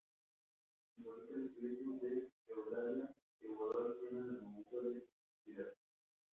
Simboliza el espíritu de Eulalia que voló al cielo en el momento de expirar.